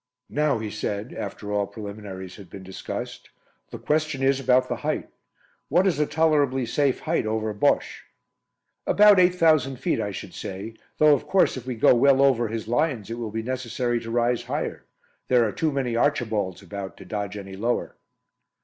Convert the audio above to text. "Now," he said, after all preliminaries had been discussed, "the question is about the height. What is a tolerably safe height over 'Bosche'?" "About 8,000 feet, I should say, though of course if we go well over his lines it will be necessary to rise higher. There are too many 'Archibalds' about to dodge any lower."